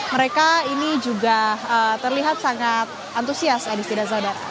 mereka ini juga terlihat sangat antusias di sidang saudara